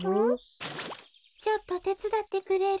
ちょっとてつだってくれる？